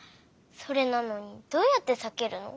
それなのにどうやってさけるの？